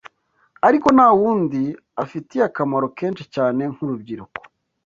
ariko nta wundi afitiye akamaro kenshi cyane nk’urubyiruko.